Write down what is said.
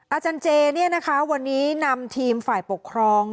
อาจารย์เจเนี่ยนะคะวันนี้นำทีมฝ่ายปกครอง